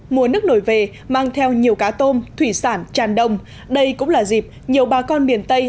mùa nước nổi về mang theo nhiều cá tôm thủy sản tràn đồng đây cũng là dịp nhiều bà con miền tây